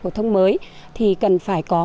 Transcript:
phổ thông mới thì cần phải có